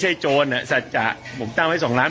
พี่ปั๊ดเดี๋ยวมาที่ร้องให้